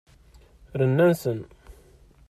Rnan-ten.